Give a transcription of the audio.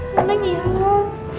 nenek iya allah